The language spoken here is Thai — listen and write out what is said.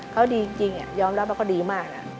เค้าดีจริงยอมรับแล้วก็ดีมาก